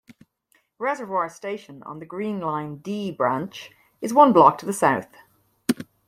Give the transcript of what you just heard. Reservoir station on the Green Line "D" Branch is one block to the south.